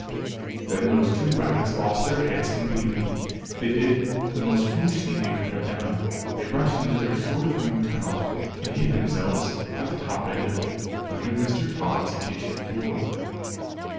Then those two rabbits lost their heads completely. They did the most foolish thing that they could have done. They rushed into their short new tunnel, and hid themselves at the top end of it, under Mr. Tod's kitchen floor.